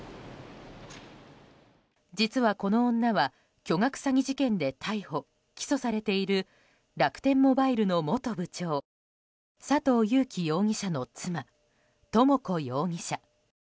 実は、この女は巨額詐欺事件で逮捕・起訴されている楽天モバイルの元部長佐藤友紀容疑者の妻智子容疑者。